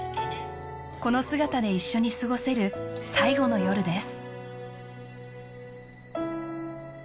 この姿で一緒に過ごせる最後の夜です